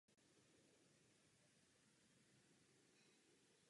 Z vrcholu hory byl dříve rozhled do celého okolí.